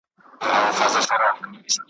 زه به هم درسره ځمه ,